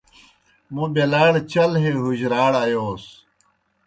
موْ بیلاڑ چل ہے حُجراڑ آیوس۔